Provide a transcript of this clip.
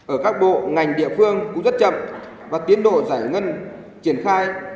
ở các bộ ngành địa phương cũng rất chậm và tiến độ giải ngân triển khai